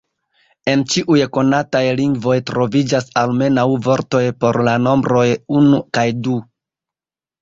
En ĉiuj konataj lingvoj troviĝas almenaŭ vortoj por la nombroj unu kaj du.